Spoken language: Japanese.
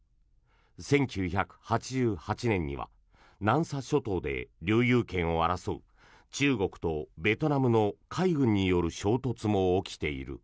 １９８８年には南沙諸島で領有権を争う中国とベトナムの海軍による衝突も起きている。